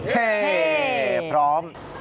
เฮ่พร้อม